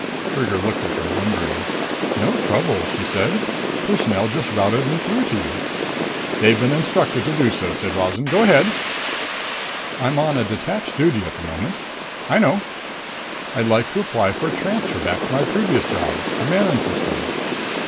Trigger looked at her, wondering. "No trouble," she said. "Personnel just routed me through to you." "They've been instructed to do so," said Rozan. "Go ahead." "I'm on detached duty at the moment." "I know." "I'd like to apply for a transfer back to my previous job. The Manon System."